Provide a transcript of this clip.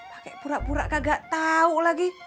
pake pura pura kagak tau lagi